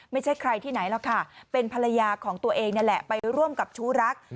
ไม่ใช่ใครที่ไหนหรอกค่ะเป็นภรรยาของตัวเองนี่แหละไปร่วมกับชู้รัก